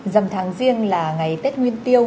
giảm tháng riêng là ngày tết nguyên tiêu